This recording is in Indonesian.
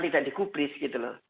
tidak dikubris gitu loh